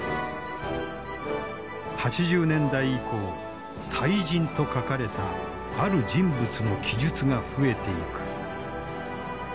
８０年代以降「大人」と書かれたある人物の記述が増えていく。